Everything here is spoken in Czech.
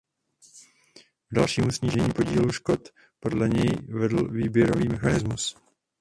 K dalšímu snížení podílu škod podle něj vedl výběrový mechanismus.